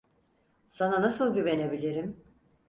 Sana nasıl güvenebilirim?